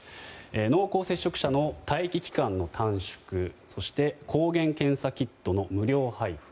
濃厚接触者の待機期間の短縮そして抗原検査キットの無料配布。